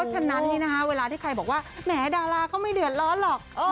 ฉะนั้นเวลาที่ใครบอกว่าแหมดาราก็ไม่เดือดร้อนหรอก